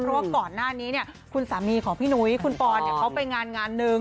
เพราะว่าก่อนหน้านี้คุณสามีของพี่หนุ้ยคุณปอนเขาไปงานงานหนึ่ง